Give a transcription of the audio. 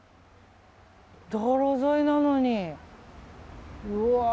道路沿いなのに。